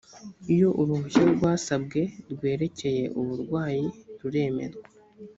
iyo uruhushya rwasabwe rwerekeye uburwayi ruremerwa